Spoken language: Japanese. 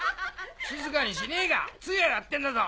・静かにしねえか通夜やってんだぞ！